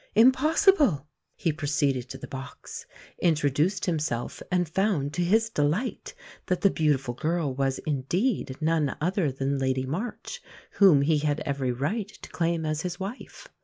Impossible! He proceeded to the box, introduced himself, and found to his delight that the beautiful girl was indeed none other than Lady March, whom he had every right to claim as his wife.